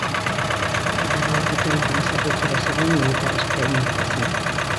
Errege Katolikoen zerbitzura zegoen militar espainiarra zen.